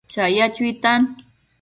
chaya chuitan